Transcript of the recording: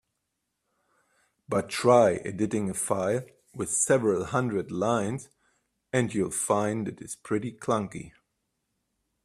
But try editing a file with several hundred lines, and you'll find that this is pretty clunky.